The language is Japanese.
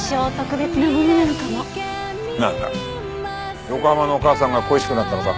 なんだ横浜のお母さんが恋しくなったのか？